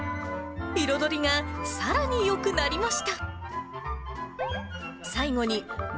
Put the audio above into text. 彩りがさらによくなりました。